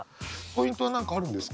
ポイントは何かあるんですか？